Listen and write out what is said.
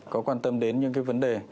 có quan tâm đến những vấn đề